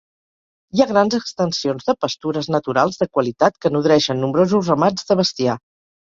Hi ha grans extensions de pastures naturals de qualitat que nodreixen nombrosos ramats de bestiar.